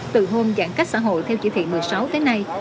từ hôm giãn cách xã hội theo chỉ thị một mươi sáu tới nay